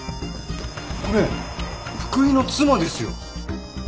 これ福井の妻ですよ！